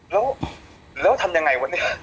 แล้วแล้วทำยังไงวันนี้